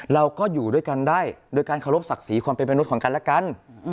เราก็อยู่ด้วยกันได้โดยการเคารพศักดิ์ศรีความเป็นมนุษย์ของกันและกัน